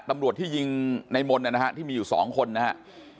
ตำรวจที่ยิงในมนต์นะฮะที่มีอยู่๒คนนะครับ